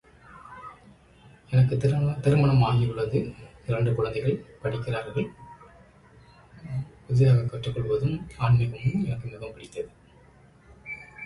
Not all airports have a radar approach or terminal control available.